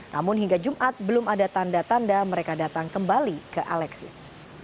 namun hingga jumat belum ada tanda tanda mereka datang kembali ke alexis